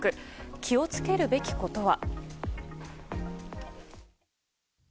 気を付けるべきことは？